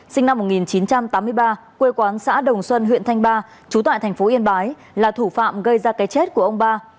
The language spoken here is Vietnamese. sinh năm một nghìn chín trăm tám mươi ba quê quán xã đồng xuân huyện thanh ba chú tại thành phố yên bái là thủ phạm gây ra cái chết của ông ba